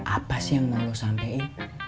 apa sih yang mau lo sampaikan